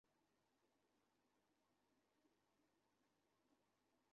মামলার সংক্ষিপ্ত বিবরণে জানা যায়, কামরাঙ্গীরচরের বাসিন্দা মোশারফ হোসেন চাল ব্যবসায়ী ছিলেন।